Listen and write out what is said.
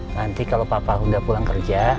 nanti kalau papa udah pulang kerja